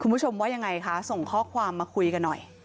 คุณผู้ชมว่ายังไงคะส่งข้อความมาคุยกันหน่อย